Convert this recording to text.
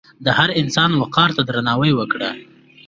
د هر انسان وقار ته درناوی وکړه.